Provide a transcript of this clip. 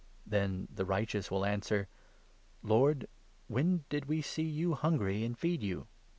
Then the Righteous will answer ' Lord, when did we see you 37 hungry, and feed you